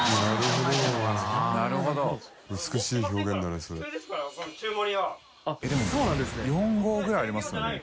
えっでも４合ぐらいありますよね？